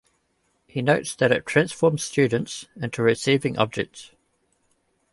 He notes that it transforms students into receiving objects.